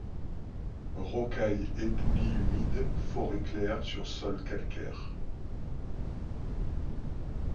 Rocailles, éboulis humides, forêts claires, sur sol calcaire.